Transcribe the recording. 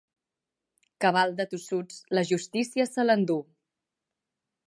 Cabal de tossuts, la justícia se l'enduu.